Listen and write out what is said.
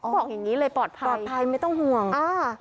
บอกอย่างงี้เลยปลอดภัยปลอดภัยไม่ต้องห่วงอ่า